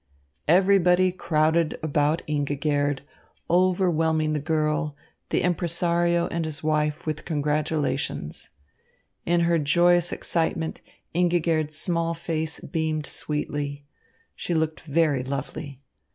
Everybody crowded about Ingigerd, overwhelming the girl, the impresario and his wife with congratulations. In her joyous excitement Ingigerd's small face beamed sweetly. She looked very lovely.